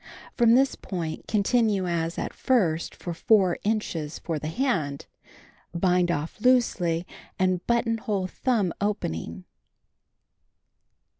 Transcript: From this point continue as at first for 4 niches for the hand. Bind off loosely and buttonhole thumb opening.